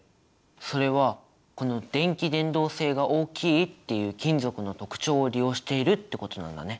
それはこの「電気伝導性が大きい」っていう金属の特徴を利用しているってことなんだね。